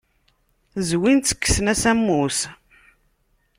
Zwin-tt, kksen-as ammus.